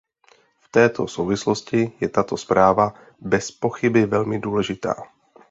V této souvislosti je tato zpráva bezpochyby velmi důležitá.